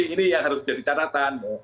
ini yang harus jadi catatan